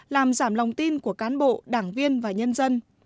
làm giảm lòng tin của cán bộ đảng viên và nhân dân